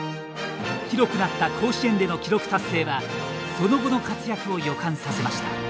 広くなった甲子園での記録達成はその後の活躍を予感させました。